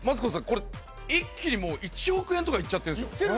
これ一気にもう１億円とかいっちゃってるんですよ